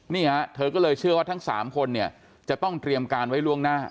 นี่ฮะเธอก็เลยเชื่อว่าทั้ง๓คนเนี่ยจะต้องเตรียมการไว้ล่วงหน้า